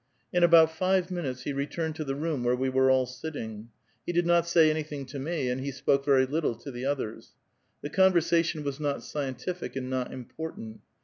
In about five minutes he returned to the room where we were all sitting. He did not say anything to me, and he spoke very little to the others. The conversation was not scientific and not important.